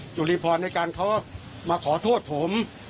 จุรีพรในการเขามาขอโทษผม